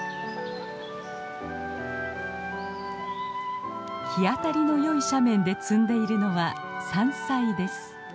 日当たりのよい斜面で摘んでいるのは山菜です。